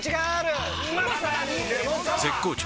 絶好調！！